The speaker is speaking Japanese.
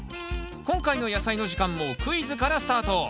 今回の「やさいの時間」もクイズからスタート。